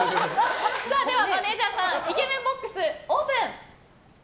では、マネジャーさんイケメンボックスオープン！